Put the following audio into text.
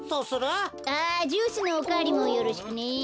あジュースのおかわりもよろしくね。